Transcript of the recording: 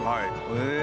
へえ！